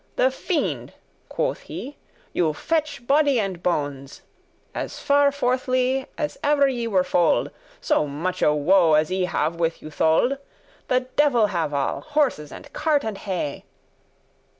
The fiend (quoth he) you fetch body and bones, As farforthly* as ever ye were foal'd, *sure So muche woe as I have with you tholed.* *endured <11> The devil have all, horses, and cart, and hay."